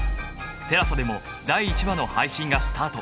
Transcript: ＴＥＬＡＳＡ でも第１話の配信がスタート